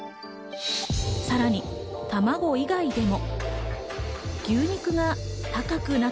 さらに卵以外でも。